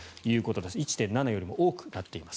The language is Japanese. １．７よりも多くなっています。